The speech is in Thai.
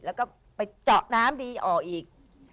แล้วก็ไปเจาะน้ำดีออกอีก